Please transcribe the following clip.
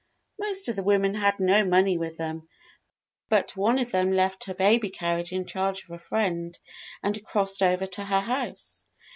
Most of the women had no money with them, but one of them left her baby carriage in charge of a friend and crossed over to her house.